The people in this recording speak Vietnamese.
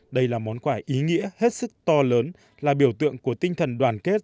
đây là món quà ý nghĩa hết sức to lớn là biểu tượng của tinh thần đoàn kết